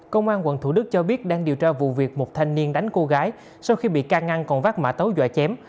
công an quận thủ đức cho biết đang điều tra vụ việc một thanh niên đánh cô gái sau khi bị can ngăn còn vác mã tấu dọa chém